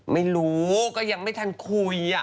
ไม่รู้ก็ยังไม่ทันคุย